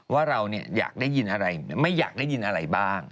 ว่าเราอยากได้ยินอะไรไม่อยากได้ยินอะไรบ้าง